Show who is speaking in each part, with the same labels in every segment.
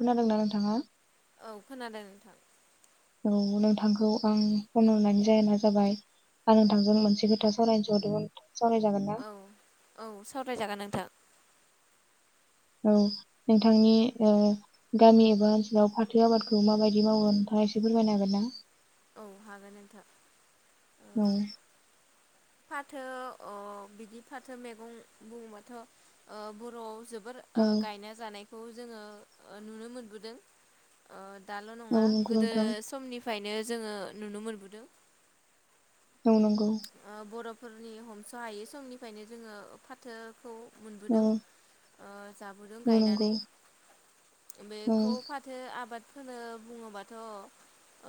Speaker 1: खोनादोंना नोंथाङा?
Speaker 2: औ खोनादों नोंथां।
Speaker 1: औ नोंथांखौ आं फन हरनानै जाहोना जाबाय आं नोंथांजों मोनसे खोथा सावरायनोसो हरदोंमोन। सावरायजागोन ना
Speaker 2: औ औ सावरायजागोन नोंथां।
Speaker 1: औ नोंथांनि ओ गामि एबा ओनसोलाव फाथो आबादखौ माबायदि मावो नोंथाङा एसे फोरमायनो हागोन ना?
Speaker 2: औ हागोन नोंथां। ओ
Speaker 1: उम।
Speaker 2: फाथो अ' बिदि फाथो मैगं बुङोबाथ' ओ बर'आव जोब। फोर
Speaker 1: औ
Speaker 2: ओ गायना जानाय। खौ जोङो ओ नुनो मोनबोदों ओ। दाल'
Speaker 1: औ
Speaker 2: नङा
Speaker 1: नंगौ
Speaker 2: गोदो
Speaker 1: नोंथां
Speaker 2: समनि फायनो। जोङो नुनो मोनबोदों
Speaker 1: औ नंगौ।
Speaker 2: फोरनि हमस' हायै समनिफ्रायनो जोङो फाथोखौ
Speaker 1: औ
Speaker 2: मोनबोदों ओ जाबोदों
Speaker 1: औ नंगौ
Speaker 2: गायनानै।
Speaker 1: औ
Speaker 2: बेखौ फाथो आबाद। होनो बुङोबाथ'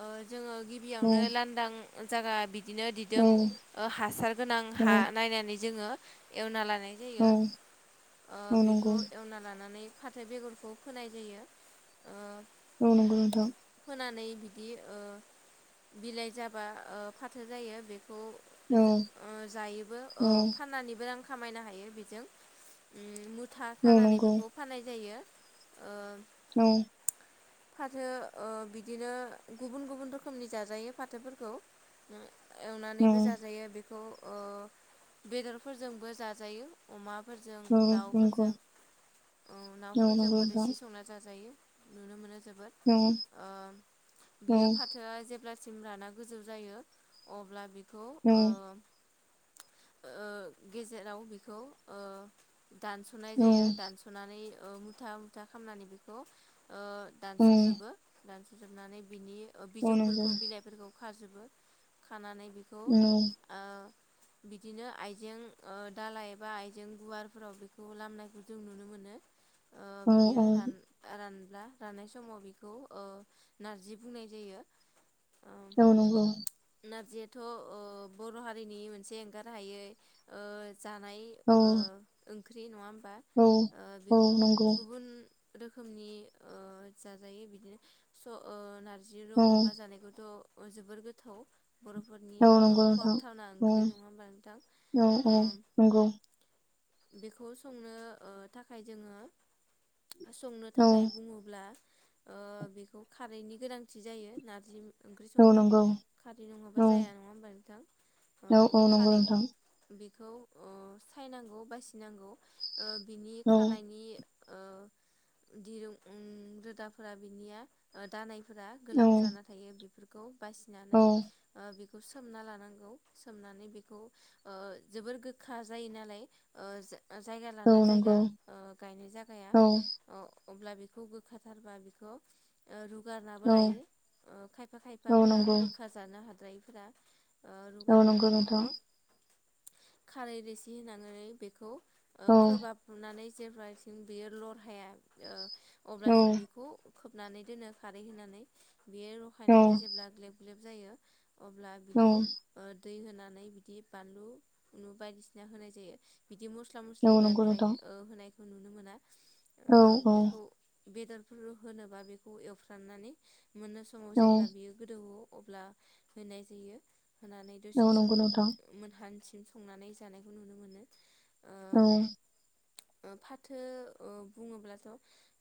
Speaker 2: ओ- जोङो गिबियावनो लानदां। जागा बि बिदिनो
Speaker 1: औ
Speaker 2: दिदोम हासार गोनां हा नायनानै। जोङो एवना लानाय।
Speaker 1: औ
Speaker 2: जायो ओ-
Speaker 1: औ
Speaker 2: बेखौ
Speaker 1: नंगौ
Speaker 2: एवनाइ लानानै फाथो बेगरखौ फोनाय जायो ओ-
Speaker 1: औ नंगौ नोंथां।
Speaker 2: फोनानै बिदि ओ- बिलाइ जाबा ओ- फाथो जायो बे खौ
Speaker 1: औ
Speaker 2: ओ- जायोबो
Speaker 1: औ
Speaker 2: ओ- फाननानैबो रां खामायनो हायो बेजों उम था
Speaker 1: औ
Speaker 2: खानानै
Speaker 1: नंगौ
Speaker 2: बेखौ फाननाय जायो। ओ
Speaker 1: औ
Speaker 2: फाथो ओ- बिदिनो गुबुन गुबुन रोखोमनि जाजायो फाथोफोरखौ उम एवना
Speaker 1: औ
Speaker 2: सानैबो जाजायो बेखौ। ओ बेदरफोरजोंबो जाजायो अमा फोरजों
Speaker 1: नंगौ
Speaker 2: दाउफोरजों ओ-
Speaker 1: औ नंगौ
Speaker 2: नाफोरजोंबो
Speaker 1: नोंथां
Speaker 2: रोसि संना जाजायो। नुनो मोनो। जोबोद
Speaker 1: औ
Speaker 2: ओ-बियो फाथोआ जेब्ला सिम राना गोजौ जायो अब्ला बे
Speaker 1: औ
Speaker 2: ओ- गेजेराव बेखौ ओ- दानस'नाय
Speaker 1: औ
Speaker 2: जायो दानस'नानै ओ- मुथा मुथा खामनानै बेखौ। ओ-
Speaker 1: औ
Speaker 2: दानस'जोबो दानसजोबनानै बिनि
Speaker 1: औ नंगौ
Speaker 2: बिजौफोरखौ बिलाइफोरखौ खाजोबो खानानै। बेखौ
Speaker 1: उम
Speaker 2: ओ बिदिनो आइजें ओ-दालााय एबा आइजें गुवारफोराव बेखौ लामनायखौ जों नुनो मोनो। ओ-
Speaker 1: औ
Speaker 2: बियो
Speaker 1: औ
Speaker 2: रान -रान- ना रानाय समाव बेखौ ओ-नारजि बुंनाय जायो।
Speaker 1: औ नोंगौ
Speaker 2: नारजिद थ' बर' हारिनि मोनसे एंगार हायै जानाय
Speaker 1: औ
Speaker 2: ओ ओंख्रि नङा होनबा बा
Speaker 1: औ
Speaker 2: ओ
Speaker 1: औ
Speaker 2: बेखौ
Speaker 1: नंगौ
Speaker 2: गुबुन रोखोमनि जाजायो बिदिनो नार जि
Speaker 1: औ
Speaker 2: रं अमा जानायखौथ' जोबोर गोथाव बर फोरनि
Speaker 1: औ नंगौ नोंथां
Speaker 2: खहाबथावना
Speaker 1: औ
Speaker 2: ओंख्रि नङा होमबा नोंथां
Speaker 1: औ औ नंगौ
Speaker 2: बेखौ संनो थाखाय जोङो संनो
Speaker 1: औ
Speaker 2: थाखाय बुङोब्ला ओ बेखौ खारैनि गोनांथि जायो नारजि ओंख्रि
Speaker 1: औ
Speaker 2: संनो
Speaker 1: नंगौ
Speaker 2: खारै नङाबा
Speaker 1: औ
Speaker 2: जाया नङा हबा नोंथां
Speaker 1: औ औ नंगौ
Speaker 2: खारै बि
Speaker 1: नोंथां
Speaker 2: बेखौ सायनांगौ बासिनांगौ ओ बिनि
Speaker 1: औ
Speaker 2: खानायनि ओ दिरुं रोदाफोरा बिनिया ओ दानाय फोर
Speaker 1: औ
Speaker 2: गोलाव जाना थायो बेफोरखौ [inaudible]
Speaker 1: औ
Speaker 2: बासिनानै बेखौ सोमना लानांगौ सोमनानै बेखौ जोबोर गोखा जायो नालाय जायगा
Speaker 1: औ
Speaker 2: लाना
Speaker 1: नंगौ
Speaker 2: जायगा गायनाय जायगाया
Speaker 1: औ
Speaker 2: अब्ला बेखौ गोखााथारबा बेखौ रु रुगारनाबो
Speaker 1: औ
Speaker 2: लायो खायफा
Speaker 1: औ
Speaker 2: खायफाफोरा
Speaker 1: नंगौ
Speaker 2: गोखा जानो हादों जायफोरा ओ
Speaker 1: औ नंगौ
Speaker 2: रुगारनानै
Speaker 1: नोंथां
Speaker 2: बेखौ खारै रोसि होनानै बेखौ ओ
Speaker 1: औ
Speaker 2: खोबानानै जेब्लाथिं बियो लर हाया अब्लासिम
Speaker 1: औ औ
Speaker 2: बेखौ खोबनानै दोनो खारै होनानै बेयो
Speaker 1: औ
Speaker 2: रखायनानै जेब्ला ग्लेब ग्लेब जायो अब्ला बिखौ दै होनानै बिदि बानलुु नुबायदिसिना होनाय जायो बिदि मस्ला मस्लि
Speaker 1: नंगौ
Speaker 2: बांद्राय
Speaker 1: नोंथां
Speaker 2: ओ होनाय खो नुनो मोना ओ
Speaker 1: औ औ
Speaker 2: बेखौ बेदरफोर होनोबा बेखौ एवफ्राननानै मोननो समाव जेब्ला बियो गोदौऔ अब्ला फैनाय जायो होनानै दसे सम
Speaker 1: औ नंगौ नोंथां औ
Speaker 2: मोनहान्स संनानै जानायखौ नुनो मोनो ओ
Speaker 1: औ
Speaker 2: ओ फाथो ओ बुङोब्लाथ'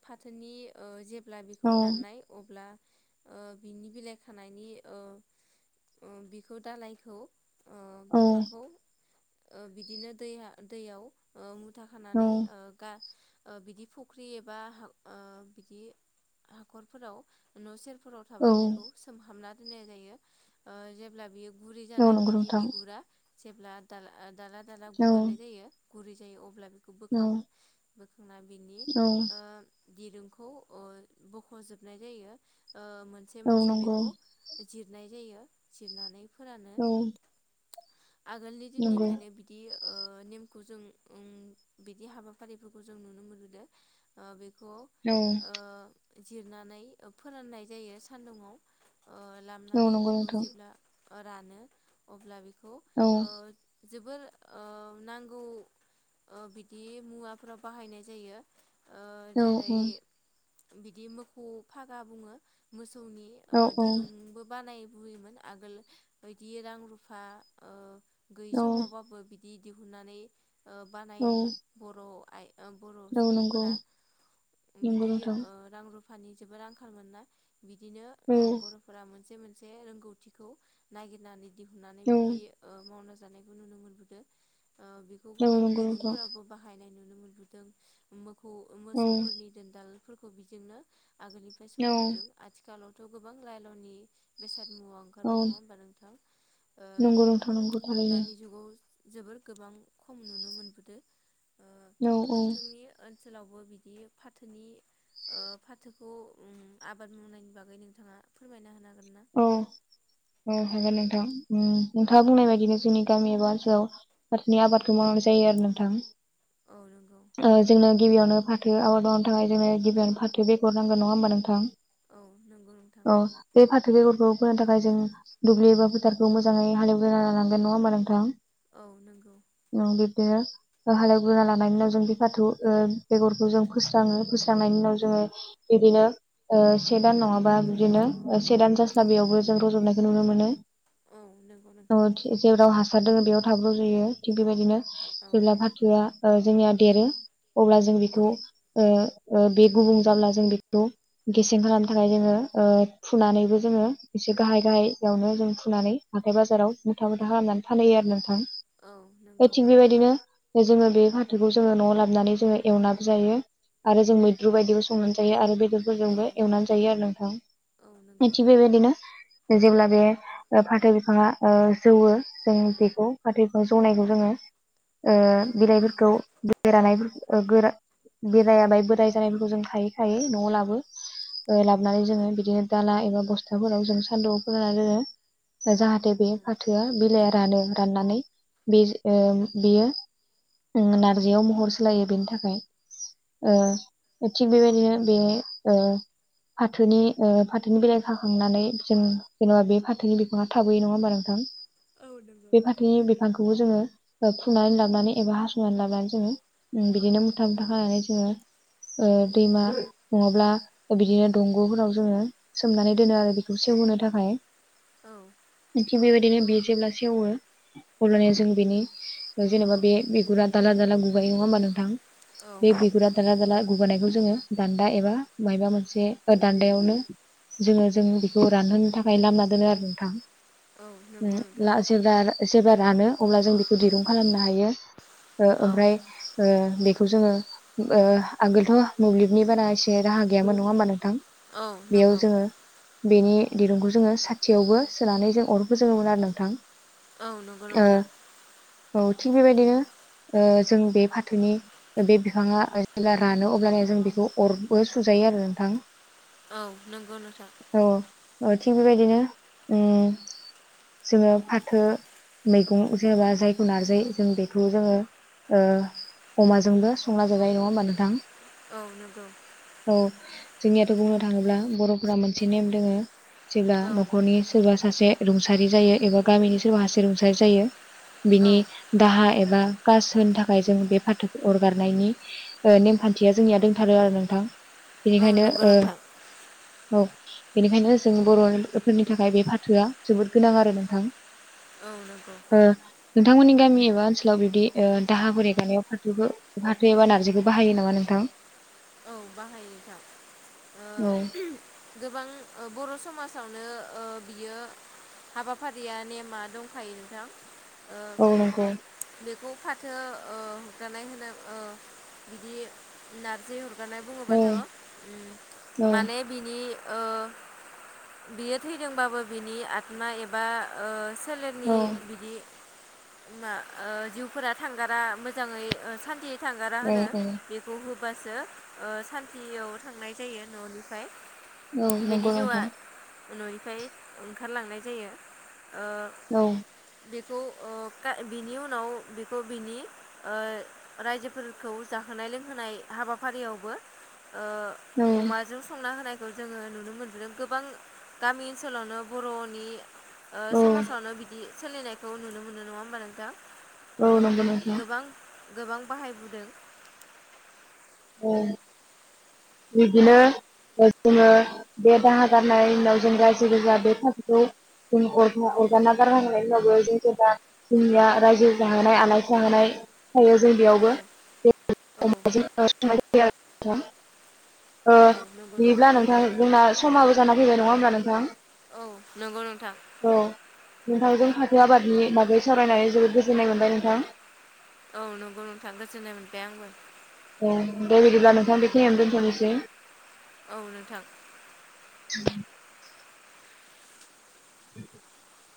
Speaker 2: फाथोनि ओ जे ब्ला बेखौ दाननाय अब्ला ओ बिनि बिलाइ खानायनि ओ ओ बिखौ दालायखौ ओ बिफांखौ ओ बिदिनो दै-दैयाव खुथा खानानै गा ओ बिदि फुख्रि एबा ओ बिदि हाखरफोराव न' सेर फोराव
Speaker 1: औ औ
Speaker 2: थाबा बेखौ सोमहाबना नायजायो ओ जेब्ला बियो गुरै
Speaker 1: औ
Speaker 2: जानाय
Speaker 1: नंगौ
Speaker 2: बिनि
Speaker 1: नोंथां
Speaker 2: बिगुरा जेब्ला दाल ओ दाला-दाला
Speaker 1: औ
Speaker 2: गुगारनाय जायो गुरै जायो अब्ला बि बखौ
Speaker 1: औ
Speaker 2: बोखाङो बोखांना बिनि
Speaker 1: औ
Speaker 2: ओ दिरुंखौ ओ बख'जोबनाय जायो ओ मोनसे
Speaker 1: औ
Speaker 2: मोनसे
Speaker 1: नंगौ
Speaker 2: बेखौ जिर नाय जायो जिरनानै फोरानो
Speaker 1: औ
Speaker 2: आगोलनि
Speaker 1: नंगौ
Speaker 2: दिननिफ्रायनो बिदि ओ नेमखौ जों ओं बिदि हाबाफारिफोरखौ जों नुनो मोनबोदो ओ बे
Speaker 1: औ
Speaker 2: जिरनानै फोराननाय जायो सान्दुुंयाव ओ
Speaker 1: औ
Speaker 2: लामनानै
Speaker 1: नंगौ
Speaker 2: बेखौ
Speaker 1: नोंथां।
Speaker 2: जेब्ला रानो अब्ला बे
Speaker 1: औ
Speaker 2: जोबोर ओ नांगौ ओ बिदि मुवाफोराव बाहायनाय जायो। ओ
Speaker 1: औ औ
Speaker 2: जेरै बिदि मोखौ फागा बुङो मोसौ ओ नि
Speaker 1: औ
Speaker 2: दिरुंबो बानाय बुयोमोन आगोल बिदि रां रुफा गैयै
Speaker 1: औ
Speaker 2: समावबाबो बिदि दिहुननानै ओ बानायोमोन
Speaker 1: औ
Speaker 2: बर' आइ बर'
Speaker 1: नंगौ
Speaker 2: सुबुंफोरा
Speaker 1: नंगौ
Speaker 2: बिदि
Speaker 1: नोंथां
Speaker 2: ओ रां रु फानि जोबोद आंखाल मोनना बिदिनो
Speaker 1: औ
Speaker 2: ओ बर'फोरा मोनसे से मोनसे रोंगौथिखौ नायगिरनानै दिहुननानै
Speaker 1: औ
Speaker 2: बिदि ओ मावनो जानायखौ नुनो मोनबोदो ओ बेखौ
Speaker 1: औ
Speaker 2: गोबां
Speaker 1: नंगौ नोंथां
Speaker 2: दिरुंफोरावबो बाहायनाय नु मोनबोदों। खौ
Speaker 1: औ
Speaker 2: मोसौफोरनि दोनदाल फोरखौ बिजोंनो आगोलनिफ्राय
Speaker 1: औ
Speaker 2: सोलिबोदों आथिखालाव थ' गोबां लायल'नि [inaudible] साद मुवा
Speaker 1: औ
Speaker 2: ओंखारबाय नङा होमबा नोंथां ओ
Speaker 1: नंगौ नोंथां नंगौ थारैनो
Speaker 2: दानि जुगाव जोबोर गोबां खम नुनो मोनबोदो ओ
Speaker 1: औ औ
Speaker 2: नोंथांनि ओनसोलावबो बिदि फाथोनि फाथोखौ आबाद मावनायनि बागै नोंथाङा फोरमायना होनो हागोन ना
Speaker 1: औ औ हागोन नोंथां। औ उम नोंथाङा
Speaker 2: औ
Speaker 1: बुंनाय बायदिनो जोंनि गामि एबा ओनसोलाव फथोनि आबादखौ मावनाय जायो आरो
Speaker 2: औ नंगौ
Speaker 1: नोंथां। जोंनो गिबियावनो फाथो आबाद मावनो थाखाय जोङो गिबियावनो फाथो बेगर नांगोन नङा होम्बा नोंथां?
Speaker 2: औ नंगौ नोंथां
Speaker 1: अ बे फाथ बेगरखौ फोनो थाखाय जों दुब्लि एबा फोथारखौ मोजाङै हालेवग्रोना लानांगोन नङा होम्बा नोंथां।
Speaker 2: औ नोंगौ
Speaker 1: बिदिनो हालेवग्रोना लानायनि उनाव जों बे फाथो ओ बेगरखौ जों फोस्राङो फोस्रांनायनि उनाव जोङो बिदिनो ओ से दान नङाबा बिदिनो से दान जास्लाबियावबो जों रज'नायखौ नुनो मोनो
Speaker 2: औ नंगौ नोंथां
Speaker 1: औ जेराव हस हासार दं बेयाव थाब र'जयो थिक बेबायदिनो
Speaker 2: औ
Speaker 1: जेब्ला फाथोआ ओ जोंनिया देरो अब्ला जों बेखौ
Speaker 2: औ
Speaker 1: ओ ओ बे गुबुं जाब्ला जों बेखौ गेसें खालामनो थाखाय जोङो ओ फुनानैबो जोङो एसे गाहाय गाहाययावनो जों फुनानै हाथाय बाजाराव मुथा मुथा खालामनानै फानहैयो आरो नोंथां।
Speaker 2: औ नंगौ
Speaker 1: थिग बेबायदिनो जोङो बे फाथोखौ जोङो न'आव लाबोनानै जोङो एवनाबो जायो आरो जों मैद्रु बायदिबो संनानै जायो आरो बे
Speaker 2: औ
Speaker 1: बेफोरजोंबो एवनानै जायो आरो नोंथां।
Speaker 2: औ नंगौ
Speaker 1: थिबो बेदिनो। जेब्ला बे फाथो बिफाङा ओ जौवो जों बेखौ फाथो बिफां जौनायखौ जोङो ओ
Speaker 2: औ
Speaker 1: बिलाइफोरखौ बिलाइ रायाफोरखौ ओ गोरा बेरायाबा बोराय जानायफोरखौ जों खायैय खायै न'आव लाबो लाबोनानै जोङो बिदिनो दाला एबा बस्थाफोराव जों सान्दुं फोरानना दोङो जाहाथे
Speaker 2: औ
Speaker 1: बे फाथोआ बिलाइया रानो राननानै बे बियो ओं
Speaker 2: औ
Speaker 1: नारजियाव महर सोलायो‌ बेनि थाखाय ओ थिग बेबायदिनो बे ओ फाथोनि ओ फा फाथोनि बिलाइ खाखांनानै जों जेनेबा बे फाथोनि बिफाङा थाबोयो नङा होमबा नोंथां।
Speaker 2: औ नंगौ
Speaker 1: बे फाथोनि बिफांखौबो जोङो ओ फुनानै लाबोनानै एबा हास'नानै लाबोनानै जोङो उम बिदिनो मुथा मुथा खानानै जोङो ओ दैमा नङाब्ला [unintelligible] बिदिनो दंग'फोराव जोङो सोमनानै दोनो आरो बेखौ सेवहोनो थाखाय
Speaker 2: औ।
Speaker 1: थिग बेबायदिनो बे जेब्ला सेवो अब्लानिआजों बेनि जेनेबा बे बिगुरा दाला दाला गुगायो नङा होम्बा नोंथां बे बिगुरा थाल्ल थाल्ला गुगानायखौ जोङो दान्दा एबा मायबा मोनसे दान्दायावनो जोङो जों बेखौ रानहोनो थाखाय लामना दोनो आरो नोंथां [unintelligible] [unintelligible]
Speaker 2: औ नंगौ नोंथां
Speaker 1: रानो अब्ला जों बेखौ दिरुं खालामनो हायो। ओ
Speaker 2: औ
Speaker 1: ओमफ्राय ओ खौ जोङो ऐ आगोलथ' मोब्लिबनि बारा एसे राहा गैयामोन नङा होम्बा नोंथां
Speaker 2: औ
Speaker 1: बेयाव
Speaker 2: नंगौ
Speaker 1: जोङो बेनि दिरुंखौ जोङो साथियावबो सोनानै जों अर जोङोमोन आरो नोंथां।
Speaker 2: औ नंगौ
Speaker 1: ओ
Speaker 2: नोंथां।
Speaker 1: औ थिग बेबायदिनो ओ जों बे फाथोनि बे बिफाङा जेब्ला रानो अब्लानो जों बेखौ अरबो सुजायो आरो नोंथां।
Speaker 2: औ नंगौ नोंथां
Speaker 1: औ ओ थिग बेबायदिनो उम जोङो फाथो मैगं जेब्ला जायखौ नारजै जों बेखौ जोङो ओ अमाजोंबो संला जोबाय नङा होमबा नोंथां?
Speaker 2: औ नंगौ
Speaker 1: औ जोंनियाथ' बुंनो थाङोब्ला बर'फोरा मोनसे नेम दोङो। जेब्ला
Speaker 2: औ
Speaker 1: न'खरनि सोरबा सासे। रं सारि जायो एबा गामिनि सोरबा हासे रुंसारि जायो।
Speaker 2: औ
Speaker 1: बिनि दाहा एबा खास होनो थाखाय जों बे फाथो अरगारनायनि ओ नेमखान्थिया जोंनिया दंथारो आरो नोंथां।
Speaker 2: औ
Speaker 1: बेनिखायनो
Speaker 2: नंगौ
Speaker 1: ओ
Speaker 2: नोंथां।
Speaker 1: औ बेनिखायनो जों बर' फोरनि थाखाय बे फाथोआ जोबोद गोनां आरो नोंथां।
Speaker 2: औ नंगौ
Speaker 1: ओ नोंथांमोननि गामि एबा ओनसोलाव बिदि ओ दाहाफोर हेगारनायाव फाथो फाथो एबा नारजिखौ बाहायो नामा नोंथां?
Speaker 2: औ बाहायोखा ओ
Speaker 1: औ
Speaker 2: गोबां ओ बर समाजावनो ओ बियो हाबाफारिया नेमा दंखायो नोंथां। ओ
Speaker 1: औ नंगौ।
Speaker 2: बेखौ फाथो ओ हरगानाय होनो ओ बिदि नारजि अरगारानाय
Speaker 1: औ
Speaker 2: बुङोबाथ' उम
Speaker 1: औ
Speaker 2: माने बिनि ओ बियो थैदोंबाबो बिनि आत्मा एबा ओ सोलेरनि
Speaker 1: औ
Speaker 2: बिदि मा ओ जिउफोरा थांगारा मोजाङै ओ सान्तियै थांगारा
Speaker 1: औ
Speaker 2: होनो बेखौ हो बासो ओ सान्थियाव थांनाय जायो न'निफ्राय।
Speaker 1: औ नंगौ नोंथां।
Speaker 2: ओ ननिफाय ओंखारलांनाय जायो। ओ
Speaker 1: औ
Speaker 2: बे खौ ओ खा बिनि उनाव बेखौ बिनि ओ रायजोफोरखौ जाहोनाय लोंहोनाय हाबाफारियाव बो ओ अमाजों संना होनाय बेखौ जोङो नुनो मोनबोदों गोबां गामि ओनसोलावनो बर'नि
Speaker 1: औ
Speaker 2: समाजावनो बिदि सोलिनायखौ नुनो मोनो नङा होमबा नोंथां?
Speaker 1: औ
Speaker 2: ओ
Speaker 1: नंगौ नोंथां
Speaker 2: गोबां गोबां बाहायबोदों
Speaker 1: औ। बिदिनो जोङो बे दाहा गारनायनि उनाव जों रायजो गोजा बे फाखोखौ जों अर
Speaker 2: औ
Speaker 1: अरगारना गारगाखांनायनि उनावबो गोेबा जोंनिया रायजो जाहोनाय आलासि जाहोनाय थायो जों
Speaker 2: औ
Speaker 1: बेयावबो अ
Speaker 2: औ
Speaker 1: [unintelligible] फियार थां [unintelligible] ओ
Speaker 2: औ नंगौ
Speaker 1: बियोब्ला नोंथां जोंना समाबो जाना फैबाय नङा होमबा नोंथां?
Speaker 2: औ नंगौ नोंथां।
Speaker 1: औ नोंथांजों फाथो आबादनि बागै सावरायनानै जोबोद गोजोननाय मोनबाय नोंथां।
Speaker 2: औ नंगौ नोंथां गोजोननाय मोनबाय आंबो।
Speaker 1: ए दे बिदिब्ला नोंथां बेखिनियावनो दोनथ नोसै।
Speaker 2: औ नोंथां।
Speaker 1: [inaudible] [inaudible]